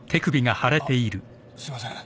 あっすいません。